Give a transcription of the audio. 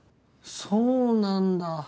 そうなんだ。